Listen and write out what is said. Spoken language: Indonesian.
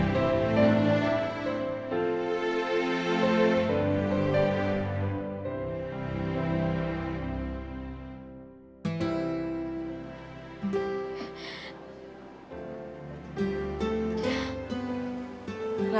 sampai jumpa lagi